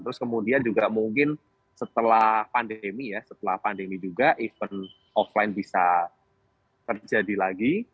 terus kemudian juga mungkin setelah pandemi ya setelah pandemi juga event offline bisa terjadi lagi